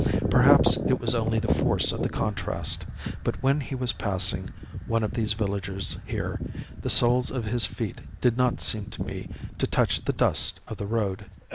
Perhaps it was only the force of the contrast, but when he was passing one of these villagers here, the soles of his feet did not seem to me to touch the dust of the road.